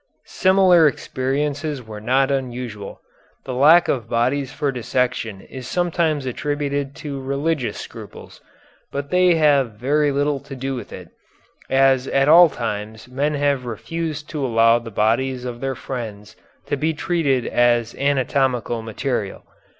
Similar experiences were not unusual. The lack of bodies for dissection is sometimes attributed to religious scruples, but they have very little to do with it, as at all times men have refused to allow the bodies of their friends to be treated as anatomical material.